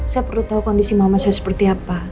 saya perlu tahu kondisi mama saya seperti apa